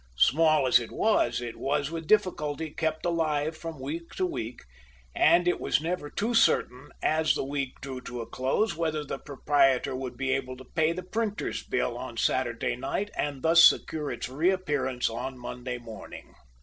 Small as it was, it was with difficulty kept alive from week to week, and it was never too certain as the week drew to a close whether the proprietor would be able to pay the printer's bill on Saturday night, and thus secure its reappearance on Monday morning.